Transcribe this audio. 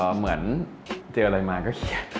เหมือนเจออะไรมาก็เขียน